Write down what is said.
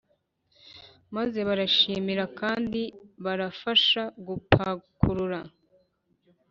maze barabashimira kandi babafasha gupakurura